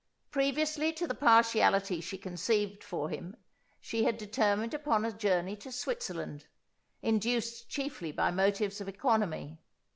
Previously to the partiality she conceived for him, she had determined upon a journey to Switzerland, induced chiefly by motives of economy.